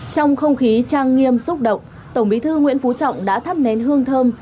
trong không khí trang nghiêm xúc động tổng bí thư nguyễn phú trọng đã thắp nén hương thơm